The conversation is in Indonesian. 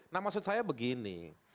nah maksud saya begini